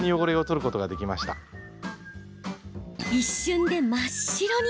一瞬で真っ白に。